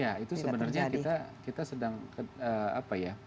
ya itu sebenarnya kita sedang apa ya